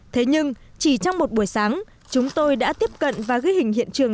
thế nhưng chỉ trong một buổi sáng chúng tôi đã tiếp cận và ghi hình hiện trường